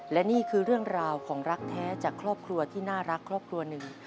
และนี่คือเรื่องราวของรักแท้จากครอบครัวที่น่ารักครอบครัวหนึ่ง